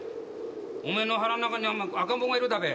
お前の腹ん中には赤ん坊がいるだべ。